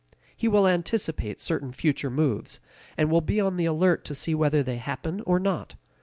He will anticipate certain future moves, and will be on the alert to see whether they happen or not.